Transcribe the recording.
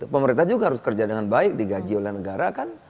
pemerintah juga harus kerja dengan baik digaji oleh negara kan